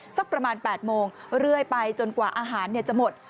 สักประมาณ๘โมงเรื่อยไปจนกว่าอาหารจะหมด